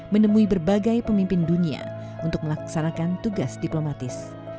menemui berbagai pemimpin dunia untuk melaksanakan tugas diplomatis